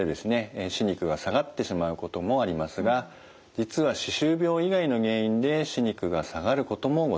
歯肉が下がってしまうこともありますが実は歯周病以外の原因で歯肉が下がることもございます。